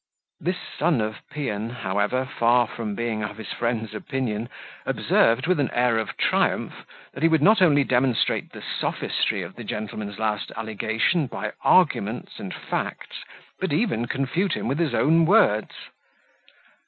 This son of Paean, however, far from being of his friend's opinion, observed, with an air of triumph, that he would not only demonstrate the sophistry of the gentleman's last allegation by argument and facts, but even confute him with his own words.